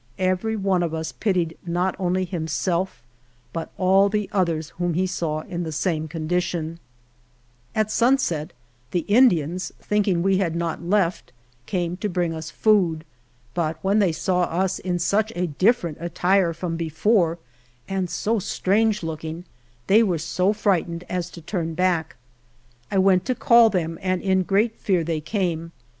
Every one of us pitied not only himself, but all the others whom he saw in the same condition. 58 ALVAR NUNEZ CABEZA DE VACA At sunset the Indians, thinking we had not left, came to bring us food, but when they saw us in such a different attire from before and so strange looking, they were so frightened as to turn back. I went to call them, and in great fear they came.